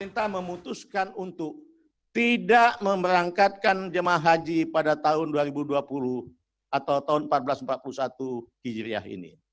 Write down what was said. pemerintah memutuskan untuk tidak memberangkatkan jemaah haji pada tahun dua ribu dua puluh atau tahun seribu empat ratus empat puluh satu hijriah ini